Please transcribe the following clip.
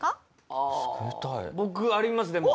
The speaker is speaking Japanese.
あ僕ありますでも。